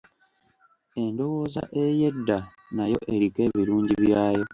Endowooza ey'edda nayo eriko ebirungi byayo.